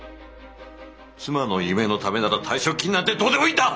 妻の夢のためなら退職金なんてどうでもいいんだ！